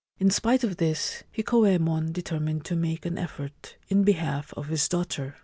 In spite of this, Hikoyemon determined to make an effort in behalf of his daughter.